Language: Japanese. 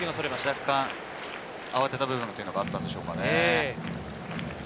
若干、慌てた部分があったんでしょうかね。